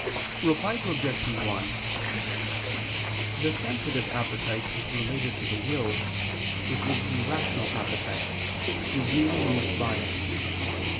Reply Obj. 1: The sensitive appetite is related to the will, which is the rational appetite, through being moved by it.